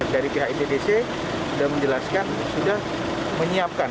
dari pihak itdc sudah menjelaskan sudah menyiapkan